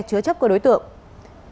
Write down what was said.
cho các đối tượng vi phạm pháp luật